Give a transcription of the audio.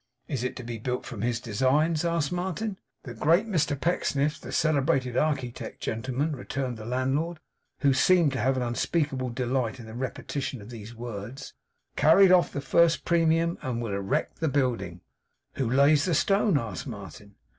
'Is it to be built from his designs?' asked Martin. 'The great Mr Pecksniff, the celebrated architect, gentlemen,' returned the landlord, who seemed to have an unspeakable delight in the repetition of these words, 'carried off the First Premium, and will erect the building.' 'Who lays the stone?' asked Martin.